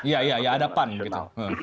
iya iya ada pan gitu